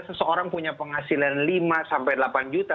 seseorang punya penghasilan lima sampai delapan juta